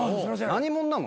何者なの？